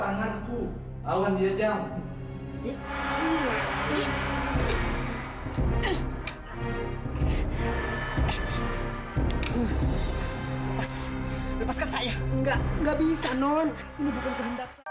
nggak bisa non ini bukan kehendak saya